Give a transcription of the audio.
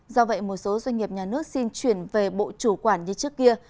do vậy một số doanh nghiệp nhà nước xin chuyển về bộ chủ quản như trước kia